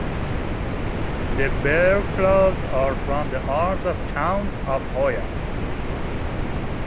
The bear claws are from the arms of Count of Hoya.